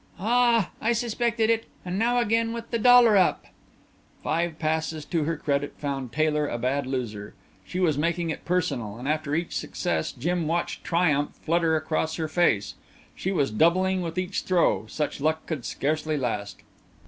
"Ah h! I suspected it. And now again with the dollar up." Five passes to her credit found Taylor a bad loser. She was making it personal, and after each success Jim watched triumph flutter across her face. She was doubling with each throw such luck could scarcely last.